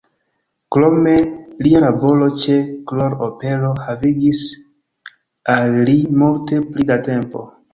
Krome lia laboro ĉe Kroll-opero havigis al li multe pli da tempo.